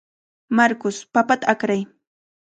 Marcos, papata akray.